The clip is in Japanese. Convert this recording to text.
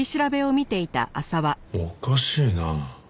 おかしいなあ。